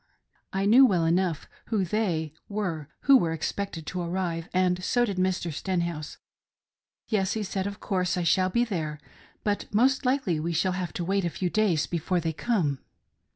I knew well enough who " they " were who were expected' to arrive, and so did Mr. Stenhouse. " Yes," he said, " of course I shall be there, but most likely we shall have to wait a few days before they come.